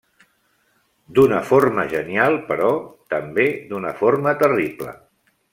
D'una forma genial, però també d'una forma terrible.